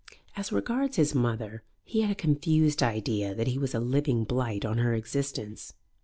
As regards his mother, he had a confused idea that he was a living blight on her existence.